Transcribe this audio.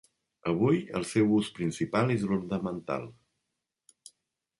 Avui el seu ús principal és l'ornamental.